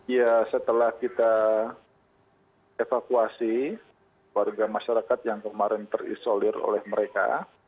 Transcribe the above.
ya setelah kita evakuasi warga masyarakat yang kemarin terisolir oleh mereka